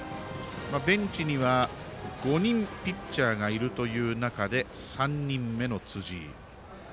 ベンチには５人ピッチャーがいるという中で３人目の辻井。